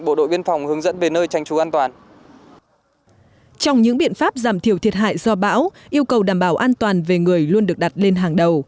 trong những biện pháp giảm thiểu thiệt hại do bão yêu cầu đảm bảo an toàn về người luôn được đặt lên hàng đầu